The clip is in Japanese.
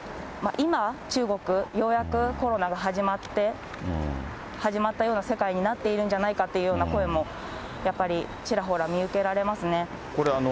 今、中国、ようやくコロナが始まって、始まったような世界になっているんじゃないという声も、やっぱりちらほら見受けられますね。